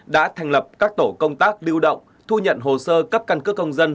đã thành lập các tổ công tác lưu động thu nhận hồ sơ cấp căn cước công dân